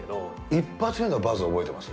一発目のバズ覚えてます？